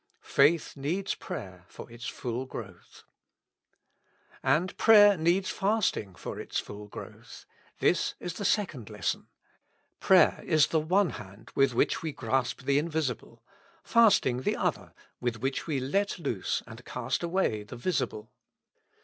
Faith needs prayer for its full growth. And prayerneeds fasting for its full growth : this is the second lesson. Prayer is the one hand with which we grasp the invisible ; fasting, the other, with which we let loose and cast away the visible.